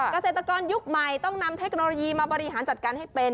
เกษตรกรยุคใหม่ต้องนำเทคโนโลยีมาบริหารจัดการให้เป็น